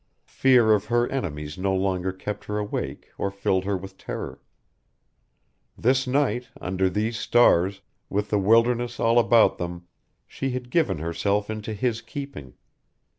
Fear of her enemies no longer kept her awake or filled her with terror. This night, under these stars, with the wilderness all about them, she had given herself into his keeping.